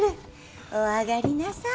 お上がりなさい。